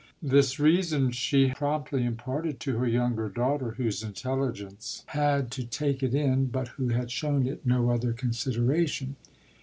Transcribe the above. This reason she promptly imparted to her younger daughter, whose intelligence had to take it in but who had shown it no other consideration.